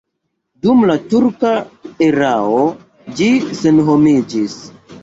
Dum la turka erao ĝi senhomiĝis.